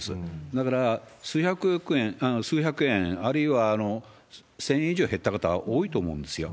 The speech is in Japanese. だから、数百円、あるいは１０００円以上減った方、多いと思うんですよ。